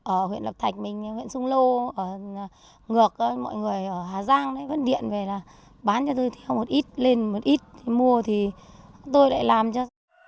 ở huyện lập thạch mình huyện xuân lô ngược mọi người ở hà giang vẫn điện về là bán cho tôi thêm một ít lên một ít mua thì tôi lại làm cho